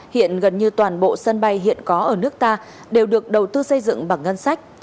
hiện gần như toàn bộ sân bay hiện có ở nước ta đều được đầu tư xây dựng bằng ngân sách